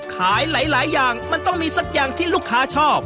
หลายอย่างมันต้องมีสักอย่างที่ลูกค้าชอบ